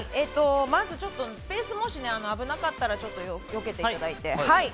まずスペースが危なかったらよけていただいて。